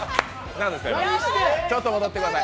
ちょっと戻ってください。